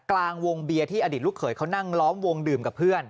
กลางวงเบียร์ที่อดีตลูกเขยเขานั่งล้อมวงดื่มกับเพื่อน